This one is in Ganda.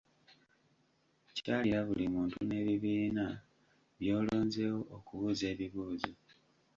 Kyalira buli muntu n’ebibiina by’olonzeewo okubuuza ebibuuzo.